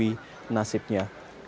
ini belum diketahui nasibnya